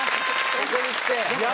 ここにきて。